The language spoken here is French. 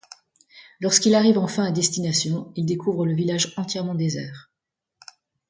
Lorsqu'il arrive enfin à destination, il découvre le village entièrement désert.